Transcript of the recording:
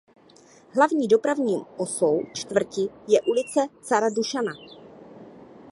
Hlavní dopravní osou čtvrti je ulice "Cara Dušana".